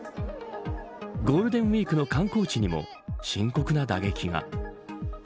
ゴールデンウイークの観光地にも深刻な打撃が。